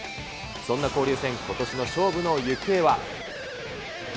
そんな交流戦、ことしの勝負の行方は。